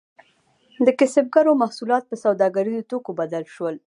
د کسبګرو محصولات په سوداګریزو توکو بدل شول.